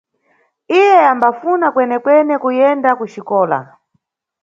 Iye ambafuna kwenekwene kuyenda kuxikola.